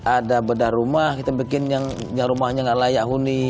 ada bedah rumah kita bikin yang rumahnya nggak layak huni